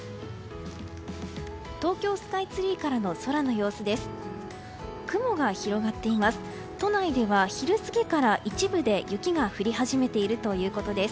東京スカイツリーからの空の様子です。